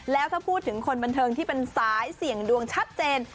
แล้วถ้าพูดถึงคนบันเทิงที่เป็นสายเสี่ยงดวงชัดเจน